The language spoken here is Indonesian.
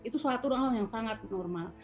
itu suatu hal yang sangat normal